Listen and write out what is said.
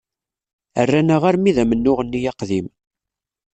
Rran-aɣ armi d amennuɣ-nni aqdim.